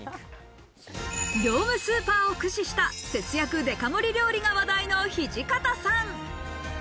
業務スーパーを駆使した節約デカ盛り料理が話題の土方さん。